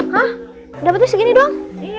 hah dapetnya segini doang